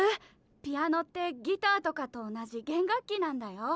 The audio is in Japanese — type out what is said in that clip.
ピアノってギターとかと同じ弦楽器なんだよ。